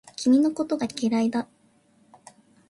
君のことが嫌いだ